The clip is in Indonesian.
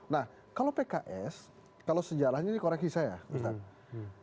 nah kalau pks kalau sejarahnya ini koreksi saya ustadz